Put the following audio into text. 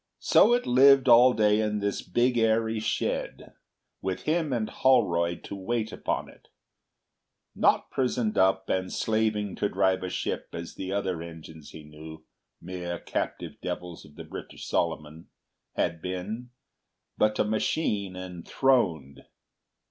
So it lived all day in this big airy shed, with him and Holroyd to wait upon it; not prisoned up and slaving to drive a ship as the other engines he knew—mere captive devils of the British Solomon—had been, but a machine enthroned.